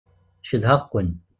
Cedhaɣ-ken.